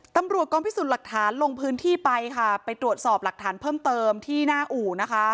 ตำรวจกองพิสูจน์หลักฐานลงพื้นที่ไปค่ะไปตรวจสอบหลักฐานเพิ่มเติมที่หน้าอู่นะคะ